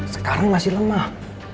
sekarang masih lemah